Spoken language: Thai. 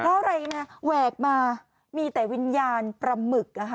เพราะอะไรนะแหวกมามีแต่วิญญาณปลาหมึก